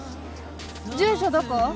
住所どこ？